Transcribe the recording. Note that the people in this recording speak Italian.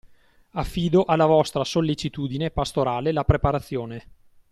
Affido alla vostra sollecitudine pastorale la preparazione